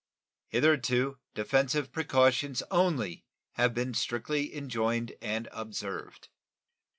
Hitherto defensive precautions only have been strictly enjoined and observed.